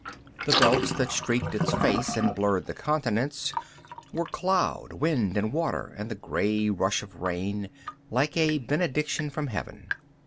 The belts that streaked its face and blurred the continents were cloud, wind and water and the gray rush of rain, like a benediction from heaven.